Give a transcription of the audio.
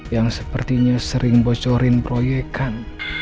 yang sepertinya sering bocorin proyekan